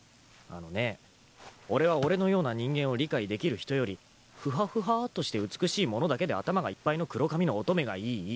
あのね俺は俺のような人間を理解できる人よりふはふはーっとして美しいものだけで頭がいっぱいの黒髪の乙女がいい。